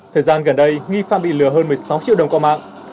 thời gian gần đây nghi phạm bị lừa hơn một mươi sáu triệu đồng qua mạng